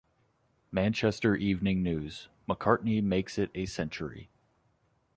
Manchester Evening News: "McCartney makes it a century"